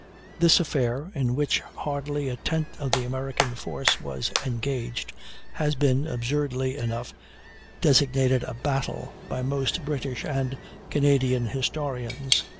This affair, in which hardly a tenth of the American force was engaged, has been, absurdly enough, designated a "battle" by most British and Canadian historians.